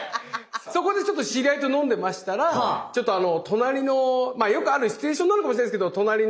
そこでちょっと知り合いと飲んでましたらまあよくあるシチュエーションなのかもしれないですけどなるほど。